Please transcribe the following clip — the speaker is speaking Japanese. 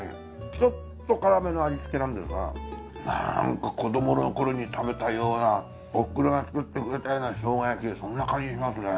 ちょっと辛めの味付けなんですがなんか子どもの頃に食べたようなおふくろが作ってくれたような生姜焼きそんな感じしますね。